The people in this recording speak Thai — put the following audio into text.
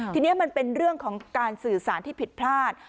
ทีนี้มันเป็นเรื่องของการสื่อสารที่ผิดพลาด